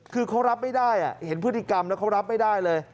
คือเขารับไม่ได้เห็นพฤติกรรมแล้วเขารับไม่ได้เลย